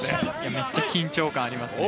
めっちゃ緊張感ありますね。